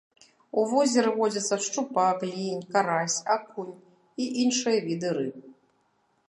У возеры водзяцца шчупак, лінь, карась, акунь і іншыя віды рыб.